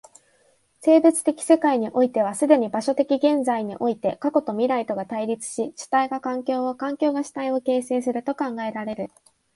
生物的世界においては既に場所的現在において過去と未来とが対立し、主体が環境を、環境が主体を形成すると考えられる。